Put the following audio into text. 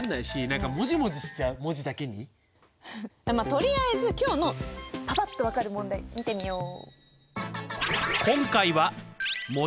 とりあえず今日のパパっと分かる問題見てみよう。